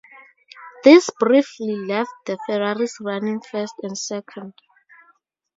This briefly left the Ferraris running first and second.